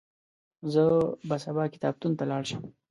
زه به سبا کتابتون ته ولاړ شم.